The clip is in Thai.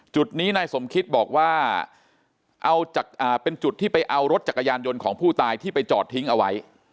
จุดนี้นายสมคิตบอกว่าเอาเป็นจุดที่ไปเอารถจักรยานยนต์ของผู้ตายที่ไปจอดทิ้งเอาไว้